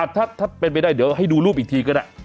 ถ้าเป็นไปได้เดี๋ยวให้ดูรูปอีกทีก็ได้